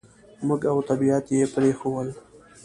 موږ او طبعیت یې پرېښوول.